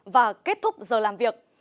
và kết thúc giờ làm việc